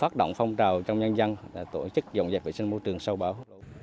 các động phong trào trong nhân dân tổ chức dòng dạy vệ sinh môi trường sâu bão